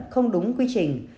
không đúng quy trình